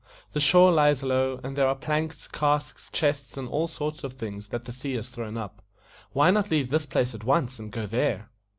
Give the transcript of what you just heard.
"The shore lies low, and there are planks, casks, chests, and all sorts of things, that the sea has thrown up. Why not leave this place at once, and go there?"